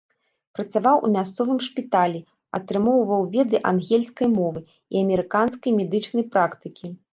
Працаваў у мясцовым шпіталі, атрымоўваў веды ангельскай мовы і амерыканскай медычнай практыкі.